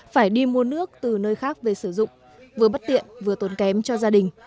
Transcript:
phải đi mua nước từ nơi khác về sử dụng vừa bất tiện vừa tốn kém cho gia đình